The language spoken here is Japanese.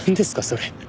それ。